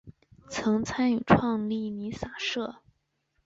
曾参与创立弥洒社。